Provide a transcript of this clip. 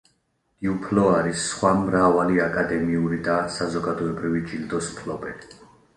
დიუფლო არის სხვა მრავალი აკადემიური და საზოგადოებრივი ჯილდოს მფლობელი.